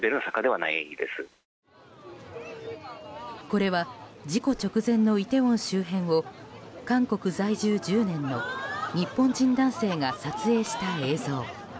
これは事故直前のイテウォン周辺を韓国在住１０年の日本人男性が撮影した映像。